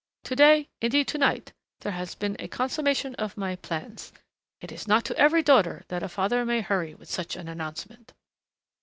To day indeed to night there has been a consummation of my plans.... It is not to every daughter that a father may hurry with such an announcement."